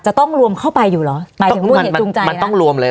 จะต้องรวมเข้าไปอยู่เหรอหมายถึงมูลเหตุจูงใจมันต้องรวมเลย